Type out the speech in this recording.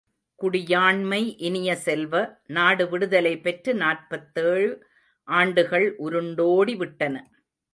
குடியாண்மை இனிய செல்வ, நாடு விடுதலை பெற்று நாற்பத்தேழு ஆண்டுகள் உருண்டோடிவிட்டன.